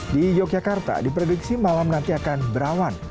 di yogyakarta diprediksi malam nanti akan berawan